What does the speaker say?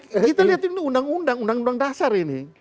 kita lihat ini undang undang undang dasar ini